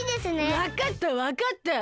わかったわかった。